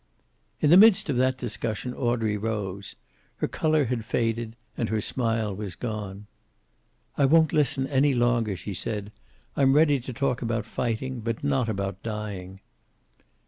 In the midst of that discussion Audrey rose. Her color had faded, and her smile was gone. "I won't listen any longer," she said. "I'm ready to talk about fighting, but not about dying."